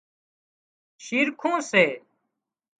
شِرکُون سي